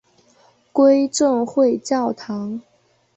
归正会教堂。